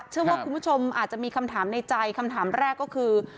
เชื่อว่าคุณผู้ชมอาจจะมีคำถามในใจคำถามแรกก็คือ